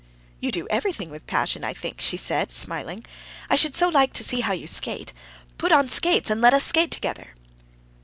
"You do everything with passion, I think," she said smiling. "I should so like to see how you skate. Put on skates, and let us skate together."